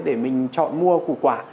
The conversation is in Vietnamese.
để mình chọn mua củ quả